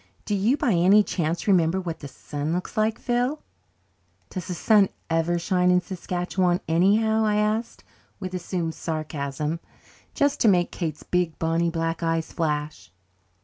"Do you, by any chance, remember what the sun looks like, Phil?" "Does the sun ever shine in Saskatchewan anyhow?" I asked with assumed sarcasm, just to make Kate's big, bonny black eyes flash.